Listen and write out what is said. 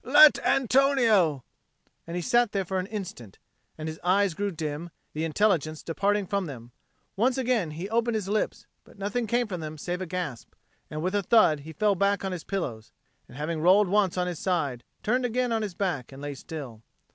"Let Antonio!" And he sat there for an instant; and his eyes grew dim, the intelligence departing from them; once again he opened his lips, but nothing came from them save a gasp; and with a thud he fell back on his pillows, and, having rolled once on his side, turned again on his back and lay still.